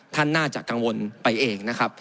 ท่านน่าจะกังวลไปเองนะครับ